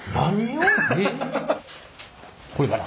これかな。